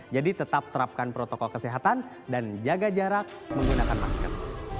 jadi tetap terapkan protokol kesehatan dan jaga jarak menggunakan masker